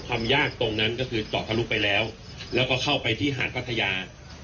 ความยากตรงนั้นก็คือเจาะทะลุไปแล้วแล้วก็เข้าไปที่หาดพัทยา